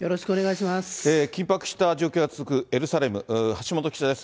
緊迫した状況が続くエルサレム、橋本記者です。